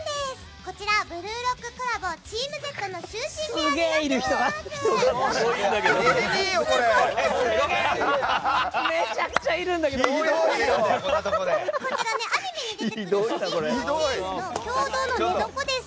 こちら「ブルーロック」コラボチームＺの就寝部屋になっています。